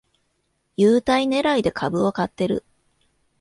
優待ねらいで株を買ってる